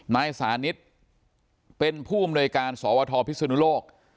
นายสานิทเป็นผู้อำนวยการสวทพิศนุโลก